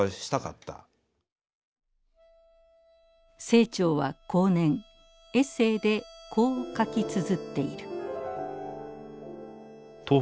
清張は後年エッセーでこう書きつづっている。